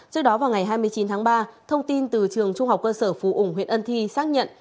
trước đó vào ngày hai mươi chín tháng ba thông tin từ trường trung học cơ sở phú ủng huyện ân thi xác nhận